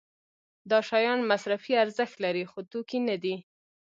دا شیان مصرفي ارزښت لري خو توکي نه دي.